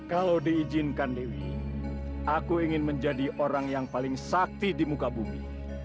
kalau diizinkan dewi aku ingin menjadi orang yang paling sakti di muka bumi